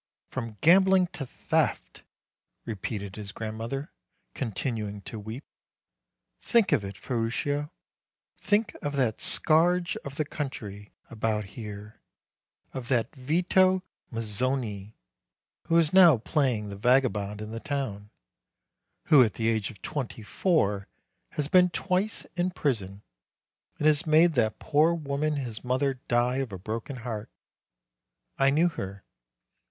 "From gambling to theft!" repeated his grand mother, continuing to weep. 'Think of it, Ferruccio ! Think of that scourge of the country about here, of that Vito Mozzoni, who is now playing the vagabond in the town; who, at the age of twenty four, has been twice in prison, and has made that poor woman, his mother, die of a broken heart. I knew her.